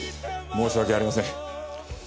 申し訳ありません。